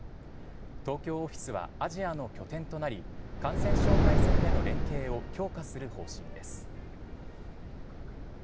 東京オフィスはアジアの拠点となり、感染症対策での連携を強化する方針です。